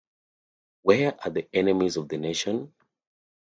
Where are the enemies of the nation?